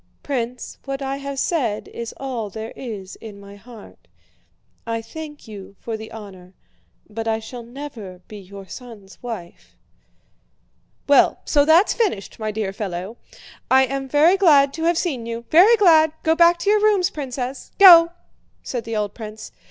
'" "Prince, what I have said is all there is in my heart. I thank you for the honor, but I shall never be your son's wife." "Well, so that's finished, my dear fellow! I am very glad to have seen you. Very glad! Go back to your rooms, Princess. Go!" said the old prince.